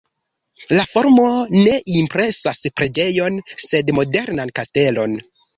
La formo ne impresas preĝejon, sed modernan kastelon.